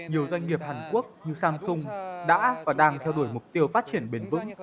nhiều doanh nghiệp hàn quốc như samsung đã và đang theo đuổi mục tiêu phát triển bền vững